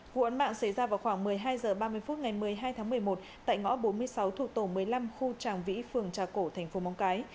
vụ án mạng xảy ra vào khoảng một mươi hai h ba mươi phút ngày một mươi hai tháng một mươi một tại ngõ bốn mươi sáu thuộc tổ một mươi năm khu tràng vĩ phường trà cổ thành phố móng cái